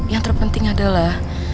yang terpenting adalah